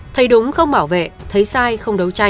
thay đúng không bảo vệ thấy sai không đấu truyền